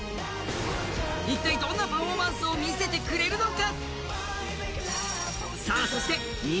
一体どんなパフォーマンスを見せてくれるのか。